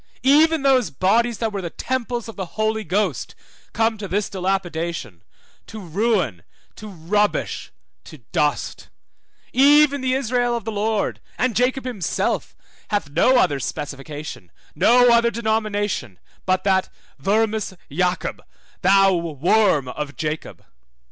Even those bodies that were the temples of the Holy Ghost come to this dilapidation, to ruin, to rubbish, to dust; even the Israel of the Lord, and Jacob himself, hath no other specification, no other denomination, but that vermis Jacob, thou worm of Jacob.